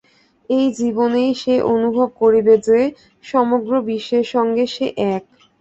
এই জীবনেই সে অনুভব করিবে যে, সমগ্র বিশ্বের সঙ্গে সে এক।